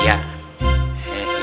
pak ustadz jakarta